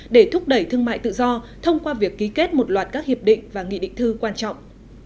để thúc đẩy thương mại tự do thông qua việc ký kết một loạt các hiệp định và nghị định thư quan trọng